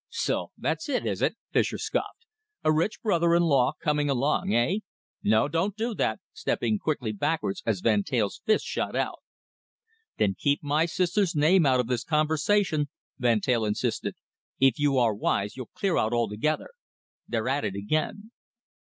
"So that's it, is it?" Fischer scoffed. "A rich brother in law coming along, eh? ... No, don't do that," stepping quickly backwards as Van Teyl's fist shot out. "Then keep my sister's name out of this conversation," Van Teyl insisted. "If you are wise, you'll clear out altogether. They're at it again."